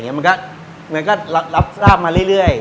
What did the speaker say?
มันก็รับทราบมาเรื่อย